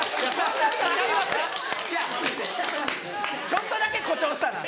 ちょっとだけ誇張したな。